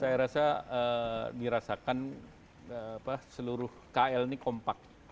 saya rasa dirasakan seluruh kl ini kompak